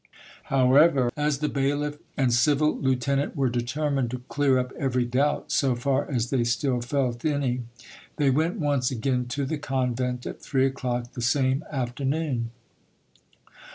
However, as the bailiff and civil lieutenant were determined to clear up every doubt so far as they still felt any, they went once again to the convent at three o'clock the same afternoon.